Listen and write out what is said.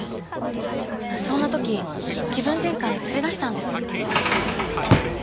そんな時気分転換に連れ出したんです。